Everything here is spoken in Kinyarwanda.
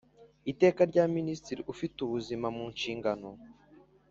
Iteka rya Minisitiri ufite ubuzima mu nshingano